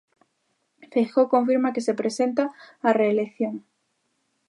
Feijóo confirma que se presenta á reelección.